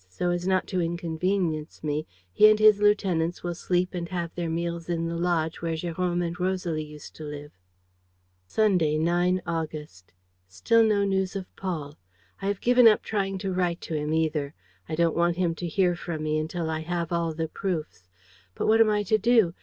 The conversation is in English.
So as not to inconvenience me, he and his lieutenants will sleep and have their meals in the lodge where Jérôme and Rosalie used to live. "Sunday, 9 August. "Still no news of Paul. I have given up trying to write to him either. I don't want him to hear from me until I have all the proofs. But what am I to do?